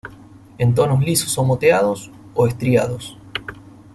En tonos lisos o moteados, o estriados.